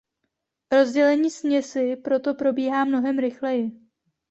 Rozdělení směsi proto probíhá mnohem rychleji.